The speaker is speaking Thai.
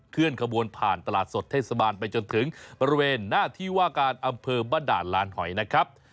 เคลื่อนขบวนผ่านตลาดสดเทศบาลไปจนถึงบริเวณหน้าที่ว่าการอำเภอบ้านด่านลานหอยนะครับ